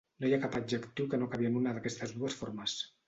No hi ha cap adjectiu que no acabi en una d'aquestes dues formes.